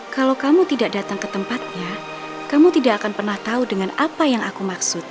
kalau kamu tidak datang ke tempatnya kamu tidak akan pernah tahu dengan apa yang aku maksud